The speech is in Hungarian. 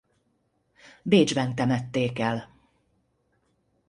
Bécsben temették el.